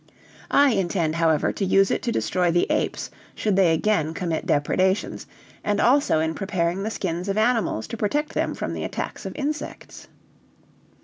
I intend, however, to use it to destroy the apes should they again commit depredations, and also in preparing the skins of animals to protect them from the attacks of insects."